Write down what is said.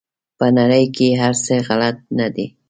په نړۍ کې هر څه غلط نه دي.